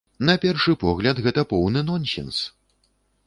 На першы погляд, гэта поўны нонсенс.